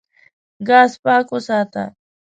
ګاز پاک وساته.